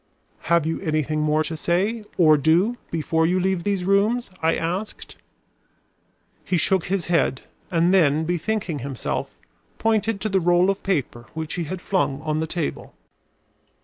"Have you anything more to say or do before you leave these rooms?" I asked. He shook his head, and then, bethinking himself, pointed to the roll of paper which he had flung on the table.